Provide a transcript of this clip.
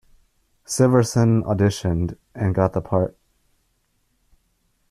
Siversen auditioned, and got the part.